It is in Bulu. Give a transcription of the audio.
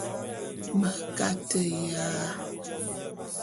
Me kateya.